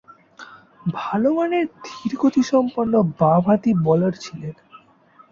ভালোমানের ধীরগতিসম্পন্ন বামহাতি বোলার ছিলেন।